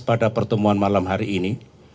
pada pertemuan malam hari ini